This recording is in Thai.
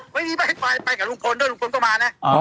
ไม่มีไปไฟไปกับลุงพลด้วยลุงพลด้วยก็มานะ